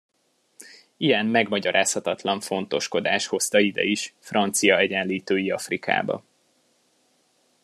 Ilyen megmagyarázhatatlan fontoskodás hozta ide is, Francia Egyenlítői Afrikába.